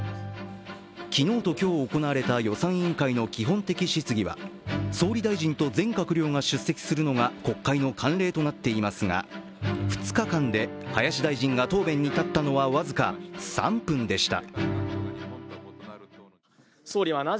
昨日と今日行われた予算委員会の基本的質疑は総理大臣と全閣僚が出席するのが国会の慣例となっていますが、２日間で林大臣が答弁に立ったのは僅か３分でした。